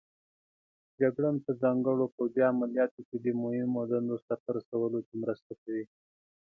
جګړن په ځانګړو پوځي عملیاتو کې د مهمو دندو سرته رسولو کې مرسته کوي.